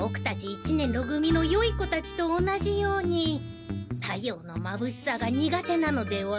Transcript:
一年ろ組のよい子たちと同じように太陽のまぶしさが苦手なのでは？